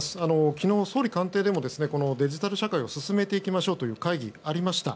昨日、総理官邸でもデジタル社会を進めていきましょうという会議がありました。